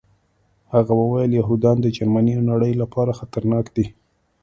هغه وویل یهودان د جرمني او نړۍ لپاره خطرناک دي